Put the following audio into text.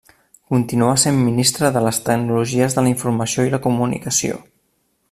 Continuà sent Ministra de les Tecnologies de la Informació i la Comunicació.